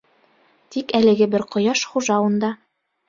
Тик әлеге бер ҡояш хужа унда.